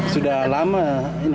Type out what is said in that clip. sudah lama ini